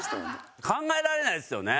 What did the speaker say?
考えられないですよね。